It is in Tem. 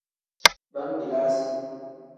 Bangbilasi.